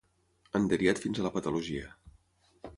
Enderiat fins a la patologia.